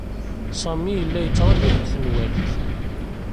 Sami yella yettṛaju deg tenwalt.